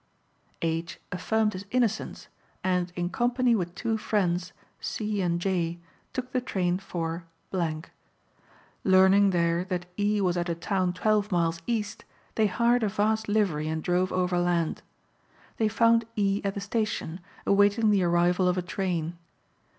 H. affirmed his innocence, and in company with two friends, C. and J., took the train for . Learning there that E. was at a town twelve miles east, they hired a fast livery and drove overland. They found E. at the station, awaiting the arrival of a train.